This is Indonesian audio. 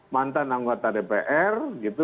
mantan anggota dpr gitu